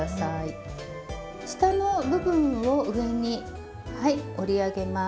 下の部分を上にはい折り上げます。